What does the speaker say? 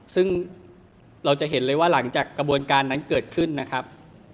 ซึ่งเราจะเห็นเลยว่าหลังจากกระบวนการนั้นเกิดขึ้นนะครับ